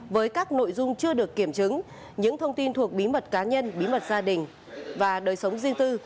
với các nội dung chưa được kiểm chứng những thông tin thuộc bí mật cá nhân bí mật gia đình và đời sống riêng tư